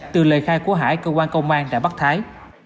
từ lời khai của hải cơ quan công an đã bắt thái